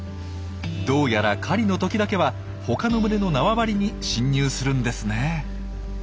どうやら狩りの時だけは他の群れの縄張りに侵入するんですね。